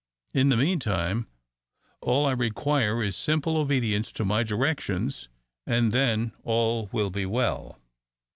In the meantime, all I require is simple obedience to my directions, and then all will be well."